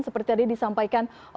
seperti tadi di sampai jawa